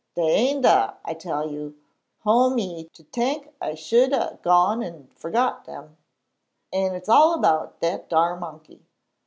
Dey ain' dah, I tell you. Oh, me, to tink I sh'd a gone an' forget dem. An' it's all about dat ar monkey.